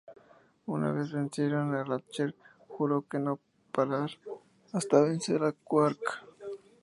Una vez la vencieron, Ratchet juró no parar hasta vencer a Qwark.